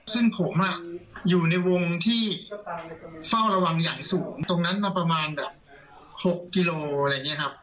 ซึ่งผมอยู่ในวงที่เฝ้าระวังอย่างสูงตรงนั้นมาประมาณแบบ๖กิโลอะไรอย่างนี้ครับ